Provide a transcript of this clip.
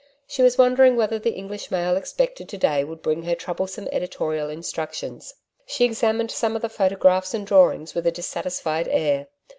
She was wondering whether the English mail expected to day would bring her troublesome editorial instructions. She examined some of the photographs and drawings with a dissatisfied air.